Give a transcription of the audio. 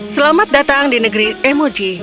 selamat datang di negeri emoji